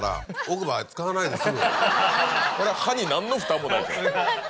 これは歯に何の負担もないと。